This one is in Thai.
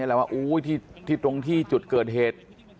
แล้วว่าตรงที่จุดเกิดเหตุ